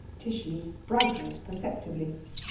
Tishy brightened perceptibly.